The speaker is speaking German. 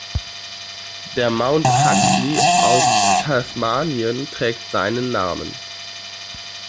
Der Mount Huxley auf Tasmanien trägt seinen Namen.